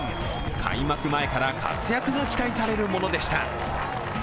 開幕前から活躍が期待されるものでした。